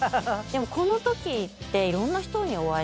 でもこのときっていろんな人にお会いして。